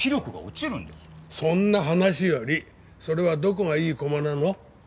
そんな話よりそれはどこがいい駒なの？